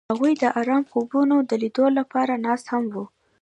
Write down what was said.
هغوی د آرام خوبونو د لیدلو لپاره ناست هم وو.